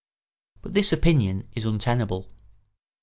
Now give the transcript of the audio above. But this opinion is untenable.